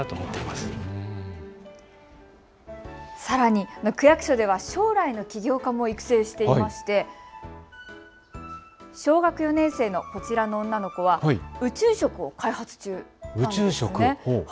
さらに区役所では将来の起業家も育成していまして小学４年生のこちらの女の子は宇宙食を開発中なんです。